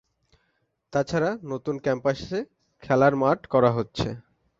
তাছাড়া নতুন ক্যাম্পাস এ খেলার মাঠ করা হচ্ছে।